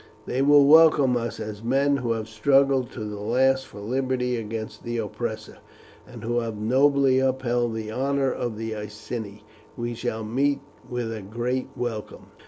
They will welcome us as men who have struggled to the last for liberty against the oppressor, and who have nobly upheld the honour of the Iceni. We shall meet with a great welcome."